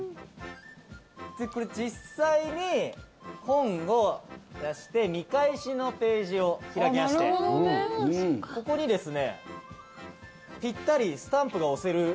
実際に本を出して見返しのページを開きましてここにですねぴったりスタンプが押せる